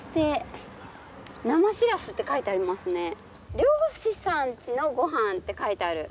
「漁師さんちのごはん」って書いてある。